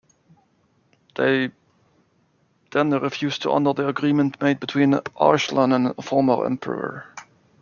They then refused to honor the agreement made between Arslan and the former emperor.